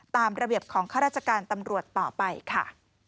ตามระเบียบของข้าราชการตำรวจต่อไปค่ะ